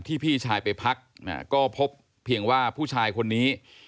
พี่ชายไปพักก็พบเพียงว่าผู้ชายคนนี้